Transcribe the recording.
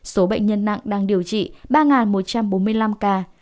số bệnh nhân nặng đang điều trị ba một trăm bốn mươi năm ca